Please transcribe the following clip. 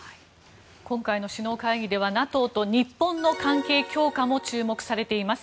今回の首脳会議ではＮＡＴＯと日本の関係強化も注目されています。